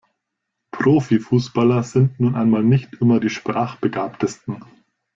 Profi-Fußballer sind nun einmal nicht immer die Sprachbegabtesten.